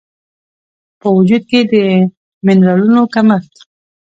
په وجود کې د مېنرالونو کمښت